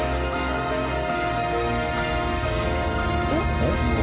えっ？